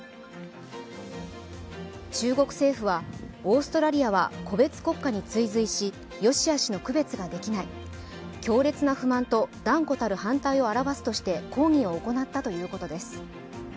中国政府はオーストラリアは個別国家に追随し、善しあしの区別ができない、強烈な不満と断固たる反対を表すとして講義を行ったということです。